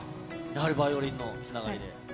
やはりバイオリンのつながりで。